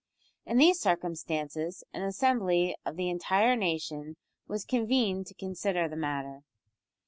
In these circumstances an assembly of the entire nation was convened to consider the matter.